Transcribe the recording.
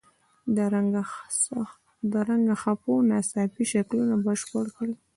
د رنګه خپو ناڅاپي شکلونه بشپړ کړئ.